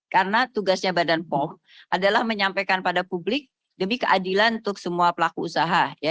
karena tugasnya badan pom adalah menyampaikan pada publik demi keadilan untuk semua pelaku usaha ya